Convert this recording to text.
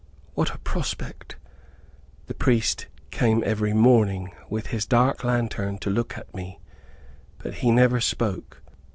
What a prospect! The priest came every morning, with his dark lantern, to look at me; but he never spoke.